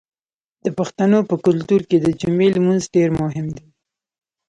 د پښتنو په کلتور کې د جمعې لمونځ ډیر مهم دی.